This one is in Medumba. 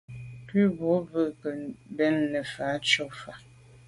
Nku boa mbu ke bèn nefà’ tshob fà’.